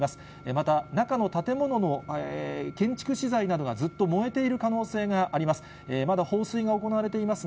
また中の建物の建築資材などがずっと燃えている可能性があります。